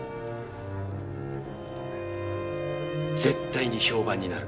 絶対に評判になる。